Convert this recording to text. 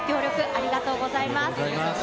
ありがとうございます。